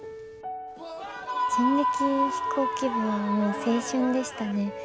人力飛行機部はもう青春でしたね。